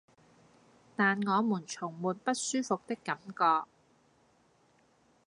但我們從沒不舒服的感覺